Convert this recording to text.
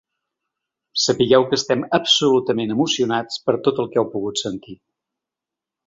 Sapigueu que estem absolutament emocionats per tot el que heu pogut sentir.